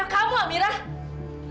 enggak ibu gak setuju